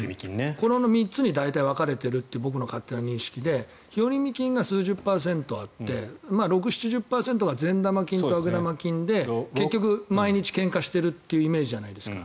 この３つに大体分かれているって僕の勝手な認識で日和見菌が数十パーセントあって６０７０％が善玉菌と悪玉菌で結局、毎日けんかしているというイメージじゃないですか。